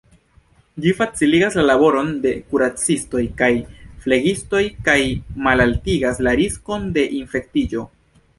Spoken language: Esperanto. Ĝi faciligas la laboron de kuracistoj kaj flegistoj, kaj malaltigas la riskon de infektiĝo.